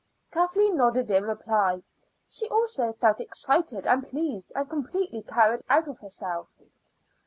Kathleen nodded in reply. She also felt excited and pleased and completely carried out of herself.